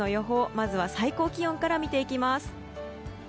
まずは最高気温から見ていきます。